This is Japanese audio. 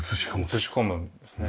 映し込むんですね。